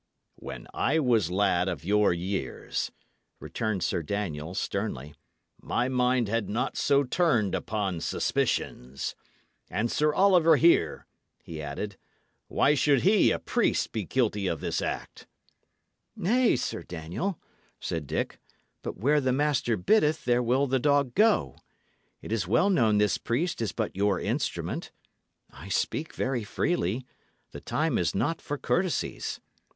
"When I was lad of your years," returned Sir Daniel, sternly, "my mind had not so turned upon suspicions. And Sir Oliver here," he added, "why should he, a priest, be guilty of this act?" "Nay, Sir Daniel," said Dick, "but where the master biddeth there will the dog go. It is well known this priest is but your instrument. I speak very freely; the time is not for courtesies.